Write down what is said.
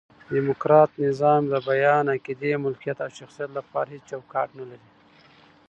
ډیموکرات نظام د بیان، عقیدې، ملکیت او شخصیت له پاره هيڅ چوکاټ نه لري.